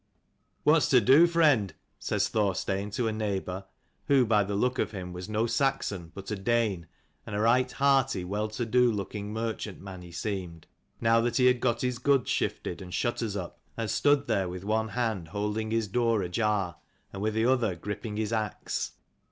" What's to do, friend ?" says Thorstein to a neighbour, who by the look of him was no Saxon, but a Dane ; and a right hearty, well to do looking merchant man he seemed, now that he had got his goods shifted, and shutters up, and stood there with one hand holding his door ajar, and with the other gripping his axe.